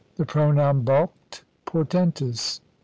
The pronoun bulked portentous.